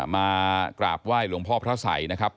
มากราบไหว้หลวงพ่อพระสัยนะครับ